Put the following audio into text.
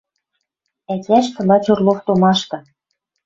Ӓтяштӹ лач Орлов томашты